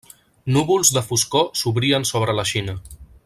Núvols de foscor s'obrien sobre la Xina.